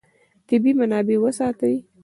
طبیعي منابع وساتئ.